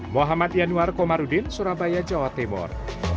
muhammad yanuar komarudin surabaya jawa timur